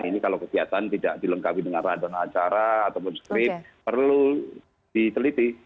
ini kalau kegiatan tidak dilengkapi dengan randon acara ataupun scrip perlu diteliti